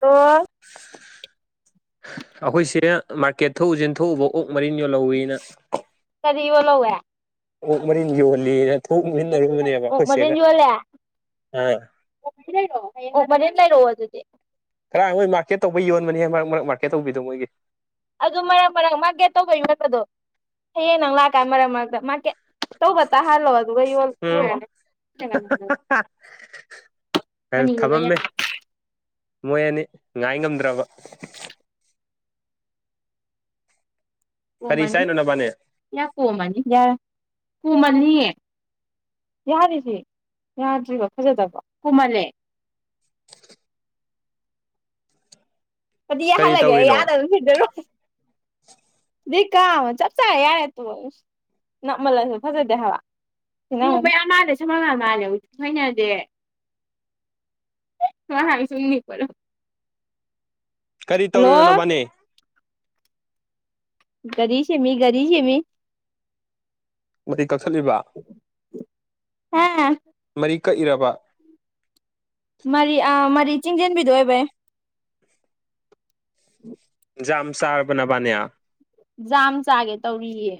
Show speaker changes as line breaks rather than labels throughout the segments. ꯇ
ꯑꯩꯈꯣꯏꯁꯦ ꯃꯥꯔꯀꯦꯠ ꯊꯣꯛꯎꯁꯤꯦ ꯊꯣꯛꯎꯕ ꯑꯣꯛ ꯃꯔꯤꯟ ꯌꯣꯜꯍꯧꯋꯅ
ꯋꯥꯂꯣꯦ
ꯑꯣꯛ ꯃꯔꯤꯟ ꯌꯣꯜꯂꯤꯅ ꯊꯣꯛꯃꯤꯟꯅꯔꯨꯕꯅꯦꯕ ꯑꯩꯈꯣꯏꯁꯦꯒ
ꯑꯣ ꯎꯃꯅꯤ ꯂꯩ ꯔꯣꯑꯣꯖꯤ
ꯈꯔꯥꯏ ꯃꯣꯏ ꯃꯥꯔꯀꯦꯠ ꯇꯧꯕ ꯌꯣꯟꯕꯅꯤ ꯃꯔꯛ ꯃꯔꯛ ꯃꯥꯔꯀꯦꯠ ꯇꯧꯕꯤꯗꯣ ꯃꯣꯏꯒꯤ
ꯑꯗꯨ ꯃꯔꯛ ꯃꯔꯛ ꯃꯥꯔꯀꯦꯠ ꯇꯧꯕꯗꯒꯤ ꯅꯠꯇꯗꯣ ꯍꯌꯦꯡ ꯅꯪ ꯂꯥꯛꯀꯥꯟꯗ ꯃꯔꯛ ꯃꯔꯛꯇ ꯃꯥꯔꯀꯦꯠ ꯇꯧꯕꯧꯕ ꯇ ꯍꯥꯜꯂꯣ ꯑꯗꯨ ꯀ ꯋꯥ
ꯎꯝ ꯊꯝꯃꯝꯃꯦ ꯃꯣꯏ ꯑꯅꯤ ꯉꯥꯏ ꯉꯝꯗ꯭ꯔꯕ ꯀꯔꯤ
ꯀꯣꯝꯃꯅꯤ
ꯆꯥꯏꯅꯣ ꯅꯕꯥꯅꯤ
ꯌꯥ ꯀꯣꯝꯃꯅꯤ ꯌꯥ ꯀꯣꯃꯅꯤꯌꯦ ꯌꯥꯔꯤꯁꯦ ꯌꯥꯗ꯭ꯔꯤꯕ ꯐꯖꯗꯕ ꯍꯨꯝꯃꯜꯂꯦ
[unintelligible]
ꯑꯗꯨꯗꯤ
ꯀꯔꯤ
ꯌꯥꯍꯜꯂꯒꯦ
ꯇꯧꯔꯤꯅꯣ
ꯌꯥꯗ ꯑꯗꯨꯝꯗꯔ ꯀ ꯆꯠ ꯆ ꯌꯥꯔ ꯇ ꯅꯞꯃꯜꯂꯁꯨ ꯐꯖꯩꯗꯦ ꯍꯥꯏꯋꯥ ꯕꯩ ꯑꯃꯗ ꯁꯝꯃꯒ ꯃꯥꯜꯅꯦ ꯊꯣꯏꯅꯗꯦ ꯋꯥꯁꯨꯨꯝ ꯅ ꯄꯣ
ꯀꯔꯤ ꯇꯧꯔꯤꯅꯣꯕꯥꯅꯦ
ꯔꯤꯁꯦ ꯃꯤ ꯔꯤꯁꯦ ꯃꯤ
ꯃꯇꯩ ꯀꯛꯊꯠꯂꯤꯕ
ꯍꯥ
ꯃꯔꯤ ꯀꯛꯏꯔꯕ
ꯃꯔꯤ ꯃꯔꯤ ꯆꯤꯡꯖꯦꯟꯕꯤꯗꯨꯣ ꯑꯣꯏꯕ
ꯝ ꯆꯥꯔꯕꯅꯕꯅꯦꯌꯥ
ꯌꯥꯝ ꯆꯥꯒꯦ ꯇꯧꯔꯤꯌꯦ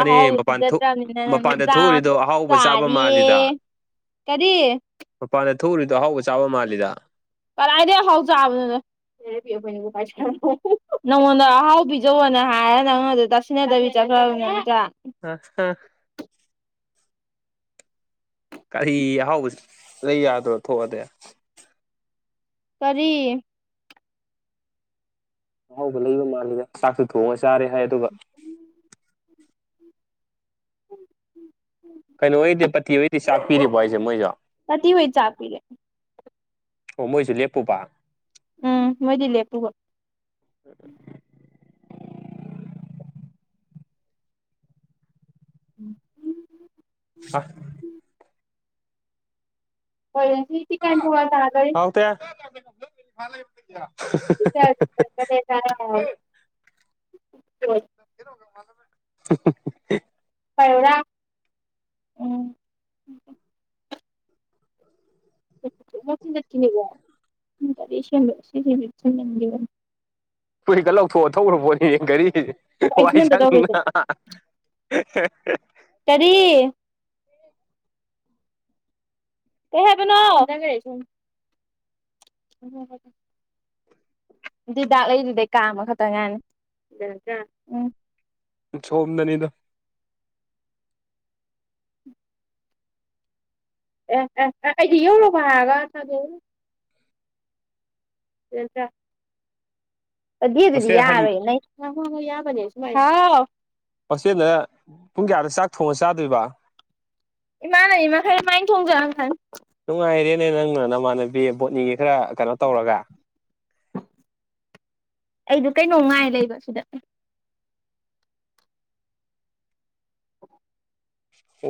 ꯑ ꯍꯥꯎ
ꯃꯄꯥꯟ ꯊꯣꯛ
ꯏꯗꯗ꯭ꯔꯅꯤꯅ
ꯃꯄꯥꯟꯗ
ꯅꯖꯝ
ꯊꯣꯛꯎꯔꯤꯗꯣ ꯑꯍꯥꯎꯕ ꯆꯥꯕ ꯃꯥꯜꯂꯤꯗ
ꯆꯔꯤꯌꯦꯦ ꯀꯔꯤ
ꯊꯨꯔꯤꯗꯣ ꯑꯍꯥꯎꯕ ꯆꯥꯕ ꯃꯥꯜꯂꯤꯗ
ꯀꯔꯥꯏꯗ ꯍꯥꯎ ꯆꯥꯕꯅꯤꯅ ꯅꯪꯉꯣꯟꯗ ꯑꯍꯥꯎ ꯄꯤꯖꯧꯅ ꯍꯥꯏꯔꯒ ꯅꯪꯉꯣꯟꯗ ꯇꯥꯁꯤꯟꯅꯗꯕꯤ ꯆꯪꯉꯦ ꯄꯅꯦꯒ
ꯑ ꯑ ꯀꯔꯤ ꯑꯍꯥꯎꯕꯁꯤ ꯂꯩ ꯌꯥꯗ꯭ꯔꯣ ꯊꯣꯛꯑꯗꯤꯦ
ꯀꯔꯤ
ꯑꯍꯥꯎꯕ ꯂꯩꯕ ꯃꯥꯜꯂꯤꯗ ꯆꯥꯛꯇꯨ ꯊꯣꯡꯉ ꯆꯥꯔꯦ ꯍꯥꯏ ꯑꯗꯨꯒ ꯀꯩꯅꯣ ꯑꯣꯏꯗꯤ ꯄꯠꯇꯤ ꯑꯣꯏꯗꯤ ꯆꯥꯛꯄꯤꯔꯤꯕꯣ ꯍꯥꯏꯁꯦ ꯃꯣꯏꯁꯨ
ꯀꯗꯤꯤ ꯍꯣꯏ ꯆꯥꯄꯤꯤꯔꯦ
ꯑꯣ ꯃꯣꯏꯁꯨ ꯂꯦꯞꯄꯨꯕ
ꯎꯝ ꯃꯣꯏꯗꯤ ꯂꯦ ꯄꯨꯍꯠ ꯎꯝ ꯎ
ꯑ
ꯀꯦ ꯊꯤ ꯀꯥꯏ ꯊ ꯑ ꯑꯗꯔꯤ
ꯃꯥ ꯌꯦꯗ
ꯔ
[unintelligible]
ꯐꯔ ꯎꯝ ꯅꯦꯕꯁꯤ ꯁꯤꯕ
ꯐꯨꯔꯤꯀ ꯂꯧꯊꯣꯛꯑꯣ ꯊꯧꯈꯕꯣꯠ ꯔꯤ ꯋꯥꯏ
ꯑꯦꯛꯁꯤꯗꯦꯟ
ꯆ
ꯀꯔꯤ ꯍꯦ ꯑꯗꯨꯅ ꯍꯤꯗꯥꯛ ꯂꯩꯗꯨꯗꯩ ꯀꯥꯃ ꯈꯛꯇꯪ ꯉꯥꯏꯅꯤ ꯎꯝ
ꯁꯣꯝꯗꯅꯤꯗ
ꯑꯦ ꯑꯦ ꯑꯦꯗꯤ ꯍꯧꯂꯧꯕ ꯍꯥꯏꯒ ꯊꯗ ꯌꯦꯁ ꯑꯗꯤ ꯑꯗꯨꯤꯗꯤ
ꯍꯣꯁꯇꯦꯜ ꯍꯟ
ꯌꯥꯔ ꯌꯥꯕꯦ ꯍꯥꯎ
ꯄꯆꯦꯜꯅ ꯄꯨꯡ ꯀꯌꯥꯗ ꯆꯥꯛ ꯊꯣꯡꯉ ꯆꯥꯗꯣꯏꯕ
ꯃ ꯂꯩꯃꯈꯩ ꯃꯥꯏꯅ ꯊꯣꯡꯖ ꯈꯥꯟ
ꯅꯨꯡꯉꯥꯏꯔꯦꯅꯦ ꯅꯪꯅꯅ ꯃꯥꯅꯕꯣꯠꯅꯤꯒꯤ ꯈꯔ ꯀꯩꯅꯣ ꯇꯧꯔꯒ
ꯑꯩꯗ ꯀꯩꯅꯣ ꯉꯥꯏ ꯂꯩꯕ ꯁꯤꯗ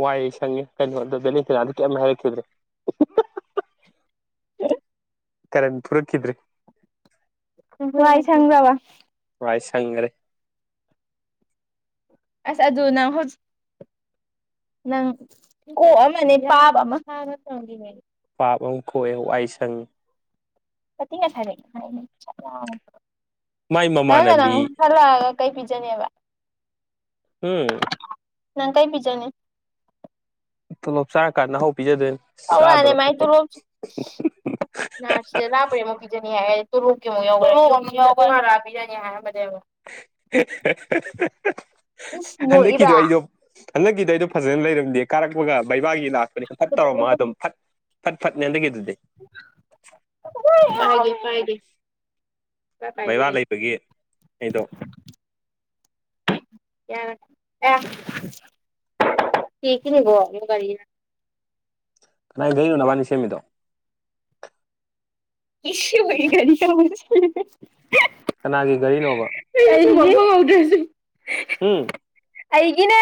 ꯋꯥꯏꯌꯦ ꯁꯪꯉꯦ ꯀꯩꯅꯣ ꯑꯗꯣ ꯕꯦꯅꯤꯇꯤꯅꯥ ꯑꯗꯨ ꯀꯌꯥꯝ ꯍꯥꯏꯔꯛꯈꯤꯗ꯭ꯔꯦ ꯀꯔꯦꯟ ꯊꯔꯛꯈꯤꯗ꯭ꯔꯔꯤ
ꯏ ꯁꯅ ꯕ
ꯥꯏ ꯁꯪꯒꯔꯦ
ꯑꯁ ꯑ ꯑꯗꯨꯅ ꯍ ꯅꯪ ꯀꯣꯛ ꯑꯃꯅꯦ ꯄꯥꯕ ꯑꯃ ꯍꯅ ꯆꯪꯒꯤꯅꯦ
ꯄꯥꯕ ꯑꯃ ꯀꯣꯛꯑ ꯋꯥꯏ ꯁꯪ
ꯊ ꯑꯁ
ꯃꯥꯏ
ꯅꯪ ꯅ ꯅꯪ
ꯃꯃꯥꯟꯅꯕꯤ
ꯍꯜꯂꯛꯑꯒ ꯀꯩ ꯄꯤꯖꯅꯦꯕ
ꯎꯝ
ꯅꯪ ꯀꯥꯏ ꯄꯤꯖꯅꯦ
ꯂꯣꯞ ꯁ ꯀꯥꯟꯅ
ꯑꯧꯅꯦ ꯃꯥꯥꯏ ꯇ ꯂꯣ ꯁꯤ ꯂꯥꯛ ꯄꯦ ꯃꯨꯛꯗꯅꯤ ꯍꯥꯏ ꯇꯔꯨ ꯀꯦ ꯌꯥꯅꯤ ꯍꯥ
[unintelligible]
ꯏꯁꯅꯨ ꯏꯕ
ꯍꯟꯗꯛꯀꯤꯗꯤ ꯑꯩꯗꯣ ꯐꯖꯅ ꯂꯩꯔꯝꯗꯦ ꯀꯥꯔꯛꯄꯒ ꯕꯕꯥꯒꯤ ꯂꯥꯛꯄꯅꯤ ꯍꯟ ꯐꯠ ꯇꯧꯔꯝꯃꯒ ꯑꯗꯨꯝ ꯐꯠ ꯐꯠ ꯐꯠꯅꯦꯅꯗꯒꯤꯦ ꯑꯗꯨꯗꯤ
ꯐꯦ ꯐꯦ
ꯕꯩꯕꯥ ꯂꯩꯕꯒꯤ ꯑꯩꯗꯣ
ꯑꯦ ꯑ ꯊꯀꯅꯤ ꯣ ꯀ
ꯀꯅꯥꯥꯏ ꯀꯅꯣ ꯅꯕꯥꯅꯤ ꯁꯦꯝꯃꯤꯗꯣ
ꯏꯁꯤ ꯑꯣꯏ ꯀꯅꯤ
ꯀꯅꯥꯒꯤ ꯒꯥꯔꯤꯅꯣꯕ
ꯐꯂꯥꯎꯗ꯭ꯔꯦꯁꯤ
ꯎꯝ
ꯑꯩꯒꯤꯅꯦ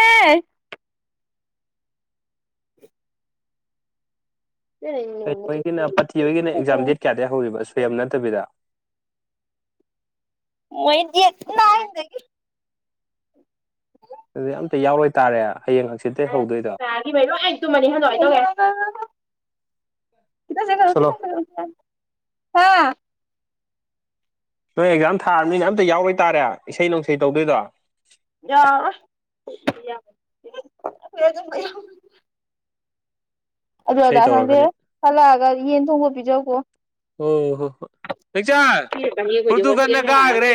ꯀꯩꯅꯣꯒꯤꯅ ꯄꯥꯊꯤꯣꯏꯒꯤꯅ ꯑꯦꯛꯖꯥꯝ ꯗꯦꯠ ꯀꯌꯥꯗ ꯍꯧꯔꯤꯕ ꯑꯣ ꯀꯩ ꯅꯠꯇꯕꯤꯗ
ꯃꯣꯏꯗꯤꯅ ꯍꯥꯏ ꯅ
ꯑꯗꯨꯗꯤ ꯑꯝꯇ ꯌꯥꯎꯔꯣꯏ ꯇꯥꯔꯦ ꯍꯌꯦꯡ ꯍꯪꯆꯤꯠꯠꯇ ꯍꯧꯗꯣꯏꯗꯣ
ꯇꯥꯒꯤꯕꯩ ꯂꯣꯏ ꯇꯨꯝꯃꯅꯤ ꯍꯟꯗꯣꯛ ꯍꯥꯏꯗꯣꯛꯒꯦ
[unintelligible]
ꯒ
ꯁꯣꯂꯣ
ꯍꯥ [unintelligible]
ꯅꯣꯏ ꯑꯦꯛꯖꯥꯝ ꯊꯥꯔꯕꯅꯤꯅ ꯑꯝꯇ ꯌꯥꯎꯔ ꯇꯥꯔꯦ ꯏꯁꯩ ꯅꯅꯨꯡꯁꯩ ꯇꯧꯗꯣꯏꯗꯣ
ꯑꯗꯨꯝ ꯑꯗꯨ
ꯏꯁꯩ
ꯑꯗꯥ ꯈꯪꯗꯦ
ꯇꯧꯔꯒꯅꯤ
ꯍꯜꯂꯛꯑꯒ ꯌꯦꯟ ꯊꯣꯡꯕ ꯄꯤꯖꯧꯀꯣ
ꯑꯣ ꯍꯣ ꯍꯣ ꯄꯆ
ꯄꯤꯔꯛꯀꯅꯤ ꯑꯩꯈꯣꯏꯗꯤ
ꯐꯊꯨ
ꯍꯣꯁꯇꯦꯜ
ꯀꯟꯅꯒꯒ꯭ꯔꯦ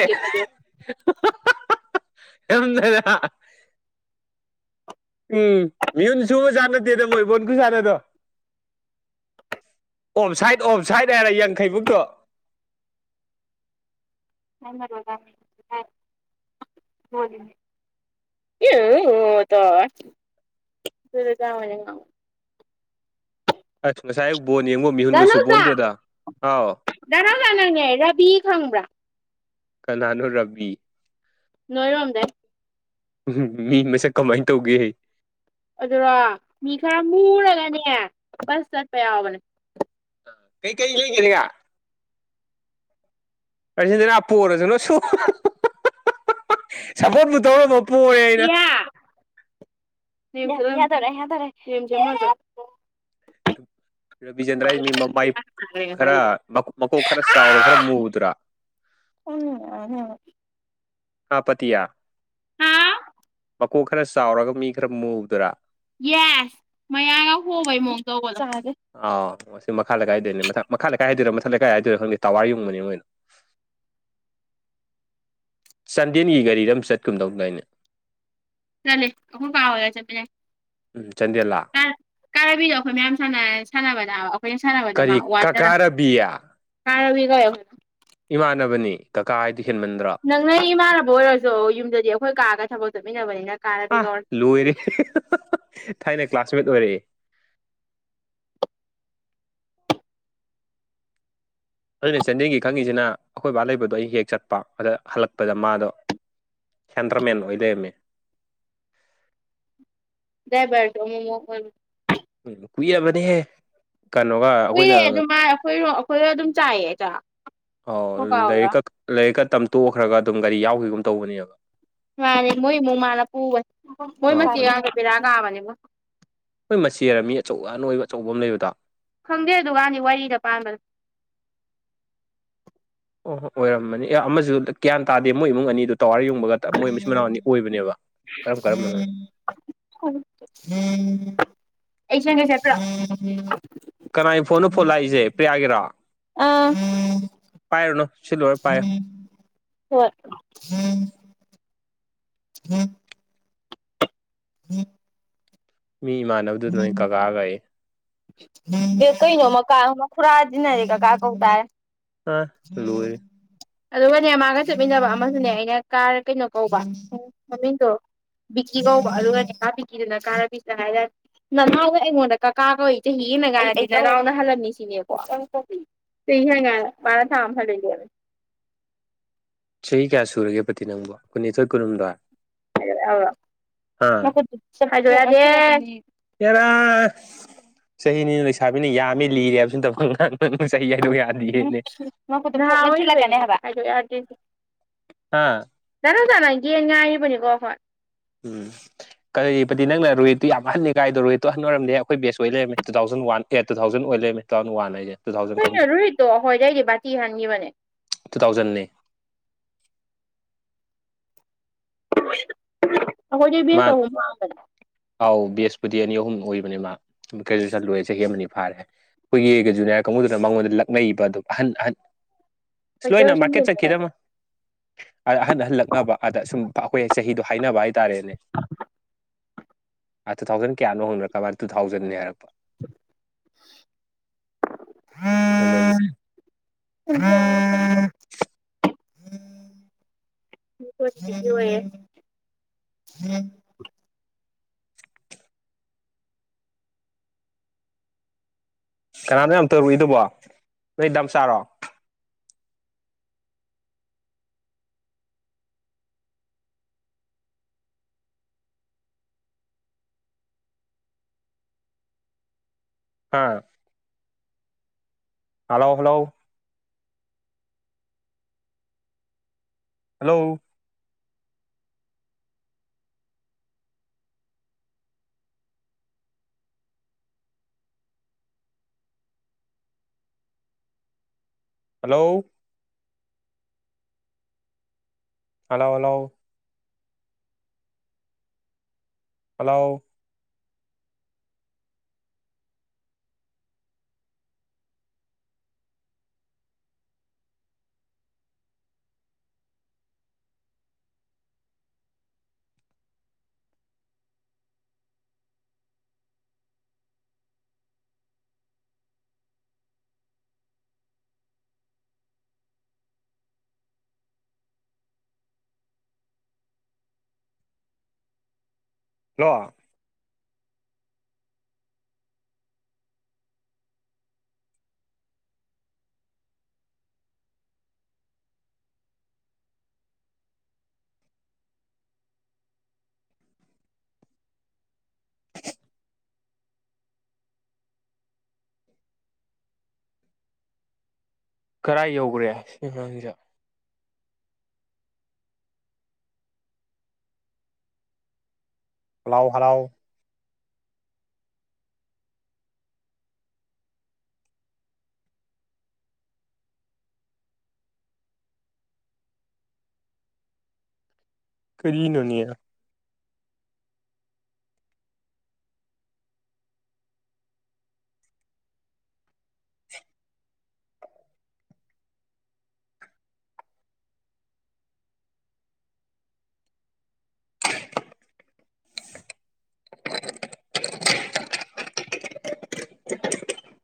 ꯀꯗꯗ ꯎꯝ ꯃꯤꯣꯟꯁꯨꯨꯞ ꯆꯅ ꯗꯦꯗ ꯃꯣꯏꯕꯨꯟꯁꯨ ꯆꯅꯗꯣ ꯑꯣꯐ ꯁꯥꯏꯠ ꯑꯣꯐ ꯁꯥꯏꯠ ꯍꯥꯏꯔꯦ ꯌꯥꯡꯈꯩ ꯃꯨꯛꯇꯣ [unintelligible]
[inaudible] ꯏ ꯇꯅꯤ ꯉ
ꯑꯁ ꯉꯁꯥꯏꯌꯨ ꯕꯣꯟ ꯌꯦꯡꯉꯣ ꯃꯤꯍꯨꯟꯒꯁꯨꯕꯣꯟꯗꯦꯗ
ꯔ ꯂꯅꯅꯦ ꯔꯥꯕꯤ ꯈꯪꯕ꯭ꯔꯥ
ꯀꯅꯥꯅꯨ ꯔꯕꯤꯕꯤ
ꯅꯣꯏꯔꯣꯝꯗꯦ
ꯎꯝ ꯃꯤ ꯃꯁꯛ ꯀꯃꯥꯏꯅ ꯇꯧꯒꯦꯍꯦ
ꯑꯗꯨꯔꯣ ꯃꯤ ꯈꯔ ꯃꯨꯔꯒꯅꯦ ꯕꯁ ꯆꯠꯄ ꯌꯥꯎꯕꯅꯦ
ꯀꯩꯀꯩ ꯂꯩꯒꯗꯒ ꯑ ꯁꯤꯗꯅꯣ ꯑꯣꯏꯔꯁꯨ ꯅ ꯁ ꯁꯄꯣꯠ ꯄꯨꯊꫭꯛ ꯑꯝꯃ ꯄꯨꯔꯦ ꯑꯩꯅ
ꯌꯥꯗꯔꯦ ꯌꯥꯗꯔꯦ
ꯔꯕꯤ ꯆꯟꯗ꯭ꯔ ꯃꯤ ꯃ ꯃꯥꯏ ꯈꯔ ꯃꯀꯣꯛ ꯈꯔ ꯆꯥꯎꯔ ꯈꯔ ꯃꯨꯗ꯭ꯔꯥ
ꯎꯝ ꯑ
ꯍꯥ ꯄꯇꯤꯌꯥ ꯃꯀꯣꯛ ꯈꯔ ꯆꯥꯎꯔꯒ ꯃꯤ ꯈꯔ ꯃꯨꯕꯗꯨꯔꯥ
ꯌꯦꯁ ꯃꯌꯥꯒ ꯍꯣꯕꯩ ꯃꯑꯣꯡ ꯇꯧꯕ
ꯑꯥ ꯁꯤ ꯃꯈꯥ ꯂꯩꯀꯥꯏꯗꯩꯅꯦ ꯃꯈꯥ ꯂꯩꯀꯥꯏ ꯍꯥꯏꯗꯣꯏꯔꯥ ꯃꯊꯛ ꯂꯩꯀꯥꯏ ꯍꯥꯏꯗꯣꯏꯔꯥ ꯈꯪꯗꯦ ꯇꯥꯋꯥꯔ ꯌꯨꯡꯕꯅꯤ ꯃꯣꯏ [inaudible] ꯆꯥꯟꯗꯦꯜꯒꯤ ꯒꯥꯔꯤꯔ ꯑꯃ ꯆꯠꯀꯨꯝ ꯗꯧꯗꯥꯏꯅꯦ
ꯆꯂꯤ ꯑꯩꯈꫭꯏ ꯄꯥ ꯍꫭꯏꯒ ꯆꯠꯄꯅꯦ
ꯎꯝ ꯆꯟꯗꯦꯜꯂꯥ
ꯀꯥꯔꯕꯤꯗꯣ ꯑꯩꯈꯣꯏ ꯃꯌꯥꯝ ꯁꯥꯅ ꯁꯥꯟꯅꯕꯗ ꯑꯩꯈꯣꯏ ꯁꯥꯟꯅꯕꯗ ꯃꯥ
ꯀꯔꯤ ꯀꯀꯥ
ꯋꯥꯖꯔꯕꯅꯤ
ꯔꯕꯤꯌꯥ
ꯀꯥꯔꯕꯤ ꯀꯧ ꯑꯩꯈꯣꯏ
ꯏꯃꯥꯟꯅꯕꯅꯤ ꯀꯀꯥ ꯍꯥꯏꯗꯤ ꯍꯦꯟꯃꯟꯗ꯭ꯔꯣ
ꯅꯪ ꯅ ꯏꯃꯥꯟꯅꯕ ꯑꯣꯏꯔꯁꯨ ꯌꯨꯝꯗꯗꯤ ꯑꯩꯈꯣꯏ ꯀꯥꯑꯒ ꯊꯕꯛ ꯆꯠꯃꯤꯟꯅꯕꯅꯤꯅ ꯀꯥꯔꯕꯤ ꯀꯧꯔꯦ
ꯊꯥꯏꯅꯩ ꯀ꯭ꯂꯥꯁꯃꯦꯠ ꯑꯣꯏꯔꯛꯑꯦ ꯑꯗꯨꯅ ꯆꯟꯗꯦꯜꯒꯤ ꯈꯪꯉꯤꯁꯤꯅ ꯑꯩꯈꯣꯏ ꯕꯥ ꯂꯩꯕꯗꯣ ꯑꯩ ꯍꯦꯛ ꯆꯠꯄ ꯑꯗꯥ ꯍꯜꯂꯛꯄꯗ ꯃꯥꯗꯣ ꯈꯦꯟꯗ꯭ꯔꯃꯦꯟ ꯑꯣꯏ ꯂꯩꯔꯝꯃꯦ
ꯗꯥꯏꯕꯔꯒ ꯑꯃꯃꯨꯛ ꯑꯣꯏꯕꯅꯤ
ꯀꯨꯏꯔꯥꯕꯅꯦꯍꯦ
ꯀꯨꯏꯔꯦ ꯑꯗꯨꯃꯥꯏ ꯑꯩꯈꯣꯏꯔꯣꯝ ꯑꯩꯈꯣꯏꯗꯣ ꯑꯗꯨꯝ ꯆꯥꯏꯌꯦ ꯆꯛ
ꯑꯣ ꯂꯥꯏꯔꯤꯛ ꯂꯥꯏꯔꯤꯛꯇꯝ ꯇꯣꯛꯈ꯭ꯔꯒ ꯑꯗꯨꯝ ꯒꯥꯔꯤ ꯌꯥꯎꯈꯤꯕꯒꯨꯝ ꯇꯧꯕꯅꯦꯕ
ꯌꯥꯂꯦ ꯃꯣꯏ ꯃꯨꯡ ꯃꯥꯅ ꯄꯨꯕꯅꯦ ꯃꯣꯏ ꯃꯆꯦꯗꯣ ꯕꯦꯔꯥ ꯀꯥꯕꯅꯤꯕꯨ
ꯃꯣꯏ ꯃꯆꯦꯔ ꯃꯤ ꯑꯆꯧ ꯑꯅꯣꯏꯕ ꯑꯆꯧꯕ ꯑꯃ ꯂꯩꯕꯗꯣ
ꯈꯪꯗꯦ ꯗꯨꯀꯥꯟꯗꯤ ꯋꯥꯔꯤꯗ ꯄꯥꯟꯕꯗ
ꯑꯣ ꯑꯣꯏꯔꯝꯃꯅꯤ ꯑꯦ ꯑꯃꯁꯨ ꯒ꯭ꯌꯥꯟ ꯇꯥꯗꯦ ꯃꯣꯏ ꯏꯃꯨꯡ ꯑꯅꯤꯗꯨ ꯇꯋꯥꯔ ꯌꯨꯡꯕꯒ ꯃꯣꯏ ꯃꯁꯤꯟ ꯃꯅꯥꯎ ꯑꯅꯤ ꯑꯣꯏꯕꯅꯦꯕ ꯀꯔꯝ ꯀꯔꯝꯕꯅꯣ
ꯑꯩ ꯁꯦꯝꯒꯦꯁꯦ ꯄꯤꯔꯛꯑꯣ
ꯀꯅꯥꯒꯤ ꯐꯣꯟꯅꯣ ꯐꯣꯟ ꯂꯥꯛꯏꯁꯦ ꯄ꯭ꯔꯤꯌꯥꯒꯤꯔꯣ ꯄꯥꯏꯔꯨꯅꯨ ꯁꯤ ꯂꯣꯏꯔ ꯄꯥꯏꯌꯨ
ꯍꯣ [unintelligible] [unintelligible]
ꯃꯤ ꯏꯃꯥꯟꯅꯕꯗꯨꯗ ꯅꯣꯏ ꯀꯀꯥꯒꯥꯏꯌꯦ
ꯑꯦ ꯀꯩꯅꯣ ꯀꯥ ꯃꯈꯨꯔꯒ ꯇꯤꯟꯅꯔꯗꯤ ꯀꯀꯥ ꯀꯧ ꯇꯥꯔꯦ
ꯑ ꯂꯣꯏꯔ
ꯑꯗꯨꯒꯅꯦ ꯃꯥꯒ ꯆꯠꯃꯤꯟꯅꯕ ꯑꯃꯁꯨꯅꯦ ꯑꯩꯅ ꯀꯥꯔ ꯀꯩꯅꯣ ꯀꯧꯕ ꯃꯃꯤꯡꯗꯣ ꯕꯤꯀꯤ ꯀꯧꯕ ꯑꯗꯨꯒꯅꯦ ꯀꯥ ꯕꯤꯀꯤꯗꯨꯅ ꯀꯥ ꯔꯕꯤꯗ ꯍꯥꯏꯔꯛ ꯅꯅꯥꯎꯅ ꯑꯩꯉꯣꯟꯗ ꯀꯀꯥ ꯀꯧꯏ ꯆꯍꯤꯗ [unintelligible] ꯍꯜꯂꯝꯃꯤ ꯁꯤꯅꯦꯀꯣ [unintelligible]
ꯆꯍꯤ ꯀꯌꯥ ꯁꯨꯔꯒꯦ ꯄꯇꯤ ꯅꯪꯕꯨ ꯀꯨꯟꯅꯤꯊꯣꯏ ꯀꯨꯟꯍꯨꯝꯗꯣꯏ
ꯍꯥꯏ ꯍꯥꯏꯌꯗꯦ
ꯍꯦꯔ ꯑꯁ ꯆꯍꯤꯅꯦꯅ ꯂꯩꯁꯥꯕꯤꯅ ꯌꯥꯝꯃꯦ ꯂꯤꯔꯦ ꯍꯥꯏꯕꯁꯨ ꯅꯠꯇꯕ ꯑꯉꯥꯡ ꯅꯪꯅ ꯆꯍꯤ ꯍꯥꯏꯗꯣꯛ ꯌꯥꯗꯦ
ꯎꯝ [unintelligible]
ꯑꯥ
ꯗꯥ ꯔꯣꯁꯟ ꯑꯩ ꯇꯦꯟ ꯉꯥꯏꯔꯤꯕꯅꯤꯀꯣ ꯑꯩꯈꯣꯏ
ꯎꯝ ꯀꯗꯤ ꯄꯇꯤ ꯅꯪꯅ ꯔꯣꯍꯤꯠꯇꯨ ꯌꯥꯝ ꯑꯍꯜꯅꯤ ꯀꯥꯏꯗꯣ ꯔꯣꯍꯤꯠꯇꯣ ꯑꯍꯟꯑꯣꯔꯝꯗꯦ ꯑꯩꯈꯣꯏ ꯕꯦꯁ ꯑꯣꯏ ꯂꯩꯔꯃꯦ two thousand one eight two thousand ꯑꯣꯏ [unintelligible] ꯋꯥꯟ ꯍꯥꯏꯖꯦ
ꯀꯨꯏꯅꯣ ꯔꯣꯍꯤꯇꯣ ꯑꯩꯈꯣꯏꯗꯩꯗꯤ ꯕꯇꯤ ꯍꯟꯈꯤꯕꯅꯦ
ꯇꯨ ꯊꯥꯎꯖꯟꯅꯦ
[unintelligible]
ꯃꯥ
ꯕꯦꯁ ꯑꯍꯨꯝ ꯍꯥꯟꯕꯅꯦ
ꯑꯥꯎ ꯕꯦꯁꯄꯨꯗꯤ ꯑꯅꯤ ꯑꯍꯨꯝ ꯑꯣꯏꯕ ꯃꯥ ꯒ꯭ꯔꯦꯖꯨꯋꯦꯁꯟ ꯂꯣꯏꯦ ꯆꯍꯤ ꯑꯃꯅꯤ ꯐꯥꯔꯦ ꯑꯩꯈꯣꯏꯒꯤ ꯖꯨꯅꯤꯌꯥꯔ ꯀꯥꯡꯕꯨꯗꯨꯅ ꯃꯉꯣꯟꯗ ꯂꯛꯅꯕ ꯑꯗꯨꯝ ꯑꯍꯟ ꯑꯍꯟ ꯑꯁ ꯂꯣꯏꯅ
ꯑꯩꯈꯣꯏꯗꯒ ꯁꯨꯝ
ꯃꯥꯀꯦ
ꯂꯦꯡꯅꯔꯦ
ꯆꯠꯈꯤꯗꯃ ꯑꯗ ꯑꯍꯟ ꯑꯍꯟ ꯂꯛꯅꯕ ꯑꯗ ꯁꯨꯝ ꯑꯩꯈꯣꯏ ꯆꯍꯤꯗꯣ ꯍꯥꯏꯅꯕ ꯇꯥꯔꯦꯅꯦ
[unintelligible]
ꯑ ꯇꯨ ꯊꯥꯎꯖꯟ ꯀꯌꯥꯅꯣ ꯍꯨꯔꯛꯀ ꯃꯥ ꯇꯨ ꯊꯥꯎꯖꯟꯅꯤ ꯍꯥꯏꯔꯛꯄ ꯑꯒ [unintelligible]
[unintelligible]
ꯀꯅꯥꯅꯣ ꯌꯥꯝ ꯇꯧꯔꯨꯏꯗꯨꯕꯣ ꯅꯣꯏꯗꯥꯝ ꯆꯥꯔꯣ ꯍꯥꯥ hello hello hello hello ꯍꯂꯥꯎ ꯍꯂꯥꯎ hello ꯂ [unintelligible] ꯀꯗꯥꯥꯏ ꯌꯧꯈ꯭ꯔꯦ ꯁꯤ ꯑꯉꯥꯡꯁꯤꯗꯦ ꯐꯥꯎ ꯍꯔꯥꯎ ꯀꯔꯤꯅꯅꯌꯥ [unintelligible] [unintelligible]